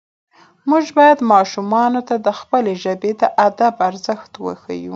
موږ باید ماشومانو ته د خپلې ژبې د ادب ارزښت وښیو